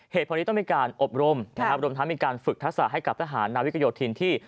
เหตุผลนี้ต้องมีการอบรมนะครับรวมทั้งมีการฝึกทักษะให้กับทหารนาวิกโยธินที่